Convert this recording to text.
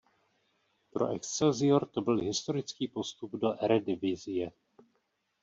Pro Excelsior to byl historický postup do Eredivisie.